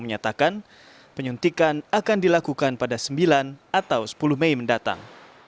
menyatakan penyuntikan akan dilakukan pada sembilan atau sepuluh mei mendatang